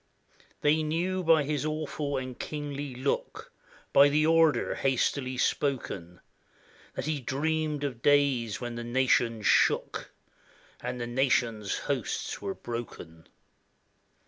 They knew by his awful and kingly look, By the order hastily spoken, That he dreamed of days when the nations shook, And the nations' hosts were broken.